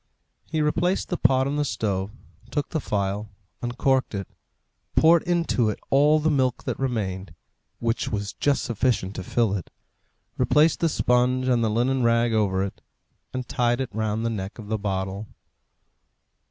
He replaced the pot on the stove, took the phial, uncorked it, poured into it all the milk that remained, which was just sufficient to fill it, replaced the sponge and the linen rag over it, and tied it round the neck of the bottle.